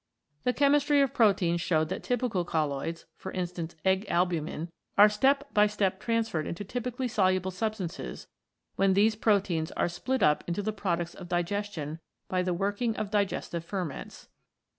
The chemistry of proteins showed that typical colloids, for instance, egg albumin, are step by step transferred into typically soluble substances when these proteins are split up into the products of digestion by the working of digestive ferments.